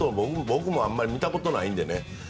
僕もあまり見たことがないので。